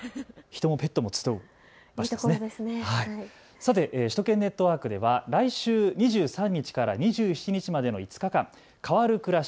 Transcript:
さて首都圏ネットワークでは来週２３日から２７日までの５日間、変わるくらし